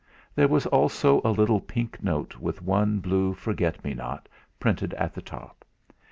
There was also a little pink note with one blue forget me not printed at the top.